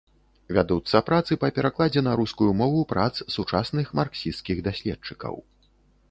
Вядуцца працы па перакладзе на рускую мову прац сучасных марксісцкіх даследчыкаў.